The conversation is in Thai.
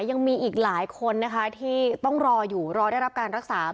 ยังมีอีกหลายคนนะคะที่ต้องรออยู่รอได้รับการรักษา